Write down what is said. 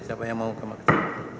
siapa yang mau kamaar kecil